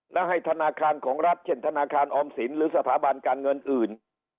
และให้ธนาคารของรัฐเช่นธนาคารออมสินหรือสถาบันการเงินอื่น